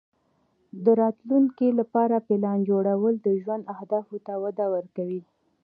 د راتلونکې لپاره پلان جوړول د ژوند اهدافو ته وده ورکوي.